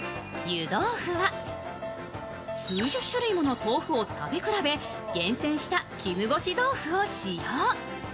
湯豆腐は数十種類もの豆腐を食べ比べ、厳選した絹ごし豆腐を使用。